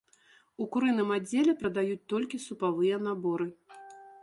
У курыным аддзеле прадаюць толькі супавыя наборы.